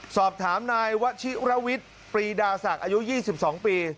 สอบถามนายวชิระวิทย์ปรีดาศักดิ์อายุ๒๒ปี